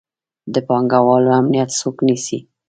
د پانګوالو امنیت څوک نیسي؟